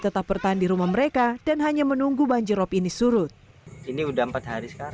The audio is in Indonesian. tetap bertahan di rumah mereka dan hanya menunggu banjir rop ini surut ini udah empat hari sekarang